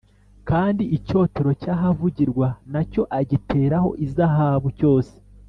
kandi icyotero cy’ahavugirwa na cyo agiteraho izahabu cyose